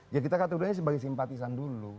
ya kita katakan dulu sebagai simpatisan dulu